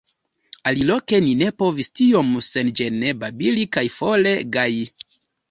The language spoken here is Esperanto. Aliloke ni ne povis tiom senĝene babili kaj fole gaji.